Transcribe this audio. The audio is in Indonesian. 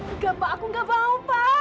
engga mbah aku gak mau mbah